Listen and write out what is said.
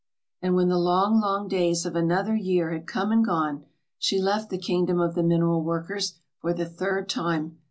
And when the long, long days of another year had come and gone, she left the kingdom of the mineral workers for the third time.